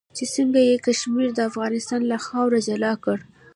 چې څنګه یې کشمیر د افغانستان له خاورې جلا کړ.